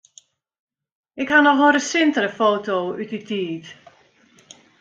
Ik haw noch in resintere foto út dy tiid.